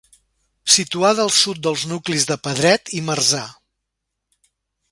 Situada al sud dels nuclis de Pedret i Marzà.